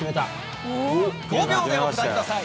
５秒でお答えください。